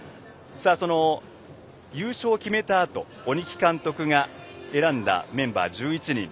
優勝を決めたあと鬼木監督が選んだメンバー１１人。